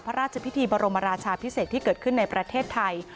พระราชพิธีบรมราชาพิเศษที่เกิดขึ้นในประเทศไทย